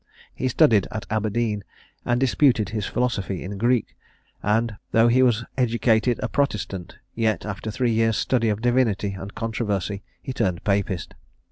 He studied at Aberdeen, and disputed his philosophy in Greek; and, though he was educated a protestant, yet, after three years' study of divinity and controversy, he turned papist.